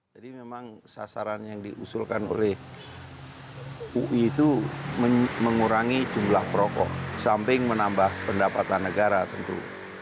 jadi memang sasaran yang diusulkan oleh ui itu mengurangi jumlah perokok samping menambah pendapatan negara tentu